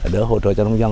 đỡ hỗ trợ cho nông dân